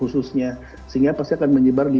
khususnya sehingga pasti akan menyebar di